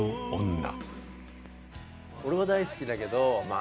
俺は大好きだけどまあ